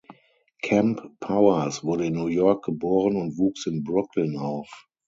Kemp Powers wurde in New York geboren und wuchs in Brooklyn auf.